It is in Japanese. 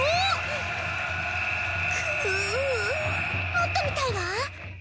もっと見たいわ。